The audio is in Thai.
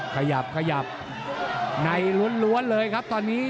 ขยับขยับในล้วนเลยครับตอนนี้